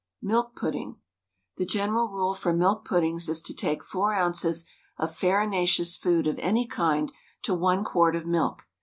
MILK PUDDING. The general rule for milk puddings is to take 4 oz. of farinaceous food of any kind to 1 quart of milk.